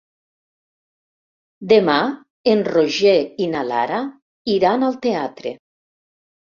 Demà en Roger i na Lara iran al teatre.